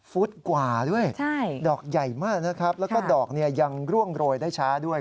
ฟุตกว่าด้วยดอกใหญ่มากนะครับแล้วก็ดอกเนี่ยยังร่วงโรยได้ช้าด้วย